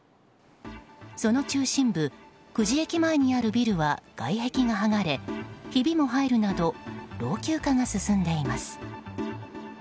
その中心部久慈駅前にあるビルは外壁が剥がれひびも入るなど老朽化が進んでいます。